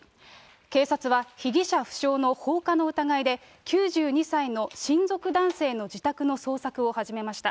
警察は被疑者不詳の放火の疑いで、９２歳の親族男性の自宅の捜索を始めました。